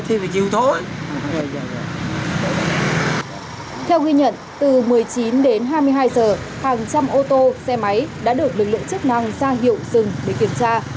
theo ghi nhận từ một mươi chín đến hai mươi hai h hàng trăm ô tô xe máy đã được lực lượng chức năng ra hiệu dừng để kiểm tra